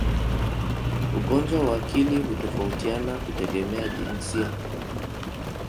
Ugonjwa wa akili hutofautiana kutegemea jinsia.